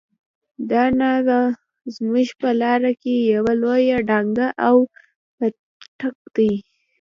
دا ناوه زموږ په لاره کې يوه لويه ډانګه او پټک شو.